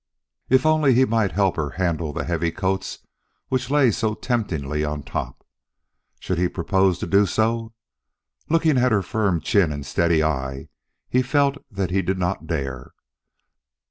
If only he might help her handle the heavy coats which lay so temptingly on top! Should he propose to do so? Looking at her firm chin and steady eye, he felt that he did not dare.